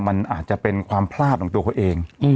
มันอาจจะเป็นความพลาดของตัวเขาเอง